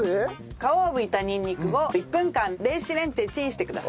皮をむいたにんにくを１分間電子レンジでチンしてください。